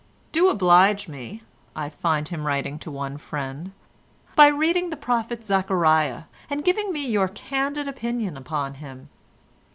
"Do oblige me," I find him writing to one friend, "by reading the prophet Zechariah, and giving me your candid opinion upon him.